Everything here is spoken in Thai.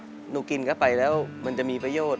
แล้วก็นูกินค่ะไปแล้วมันจะมีประโยชน์